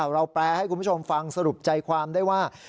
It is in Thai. แปลให้คุณผู้ชมฟังสรุปใจความได้ว่า